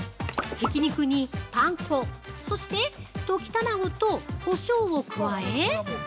ひき肉に、パン粉そして溶き卵と、こしょうを加え。